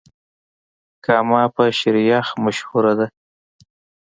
کامه په شيريخ مشهوره ده.